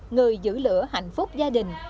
người giữ lửa hạnh phúc gia đình